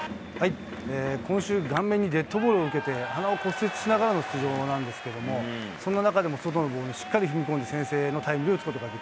今週、顔面にデッドボールを受けて、鼻を骨折しながらの出場なんですけども、そんな中でも、外のボールにしっかり踏み込んで先制のタイムリーを打つことがで